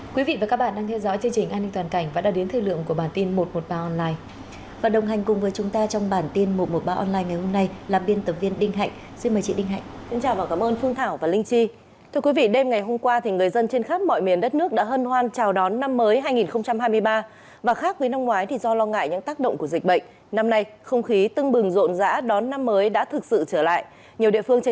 các bạn hãy đăng ký kênh để ủng hộ kênh của chúng mình nhé